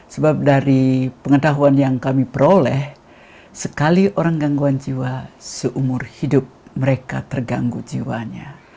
sebab dari pengetahuan yang kami peroleh sekali orang gangguan jiwa seumur hidupnya